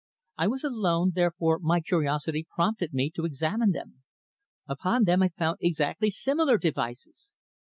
I was alone, therefore my curiosity prompted me to examine them. Upon them I found exactly similar devices!"